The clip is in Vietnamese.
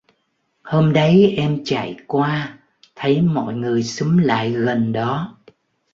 hôm đấy em chạy qua thấy mọi người xúm lại gần đó